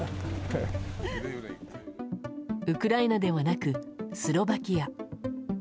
ウクライナではなくスロバキア。